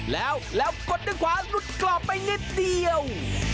แล้วแล้วกดด้วยขวาหลุดกรอบไปนิดเดียว